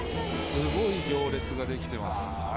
すごい行列が出来てます。